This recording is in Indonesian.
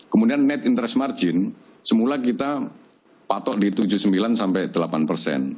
kemudian net interest margin semula kita patok di tujuh puluh sembilan sampai delapan persen